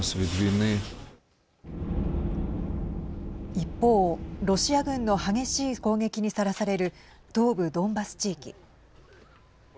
一方、ロシア軍の激しい攻撃にさらされる東部ドンバス地域。